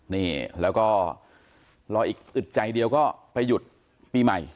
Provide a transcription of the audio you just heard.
นี่แล้วก็รออีกอึดใจเดียวก็ไปหยุดปีใหม่